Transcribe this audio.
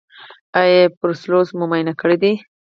ایا بروسلوز مو معاینه کړی دی؟